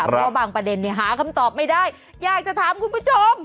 เพราะบางประเด็นหาคำตอบไม่ได้อยากจะถามคุณผู้ชม